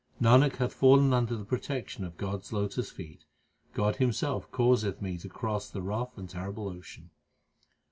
Nanak hath fallen under the protection of God s lotus feet: God Himself caused me to cross the rough and terrible ocean.